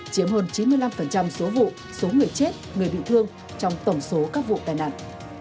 chiếm hơn chín mươi năm số vụ số người chết người bị thương trong tổng số các vụ tai nạn